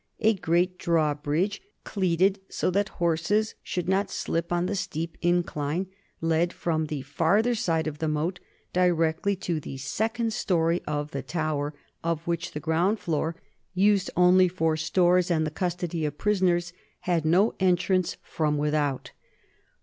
A great drawbridge, cleated so that horses should not slip on the steep incline, led from the farther side of the moat directly to the second story of the tower, of which the ground floor, used only for stores and the custody of prisoners, had no entrance from without.